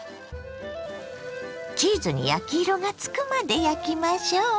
チーズに焼き色がつくまで焼きましょ。